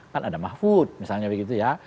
kan ada mahfud misalnya begitu ya